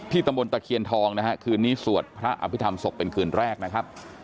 ตำบลตะเคียนทองนะฮะคืนนี้สวดพระอภิษฐรรมศพเป็นคืนแรกนะครับ